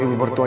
di situ pak